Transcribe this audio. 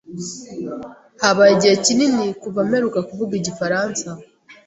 Habaye igihe kinini kuva mperuka kuvuga igifaransa.